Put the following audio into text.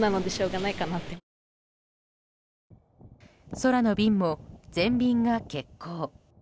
空の便も全便が欠航。